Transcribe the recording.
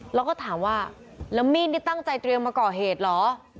เราก็ถามว่าและมีดไม่ตั้งใจเตรียมมาเกาะเหตุเหรอ